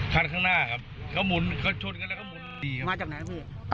คันข้างหน้าครับเขาหมุนเขาชนกันแล้วเขาหมุน